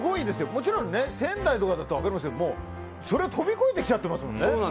もちろん、仙台とかなら分かりますけどもうそれ飛び越えてきちゃっていますからね。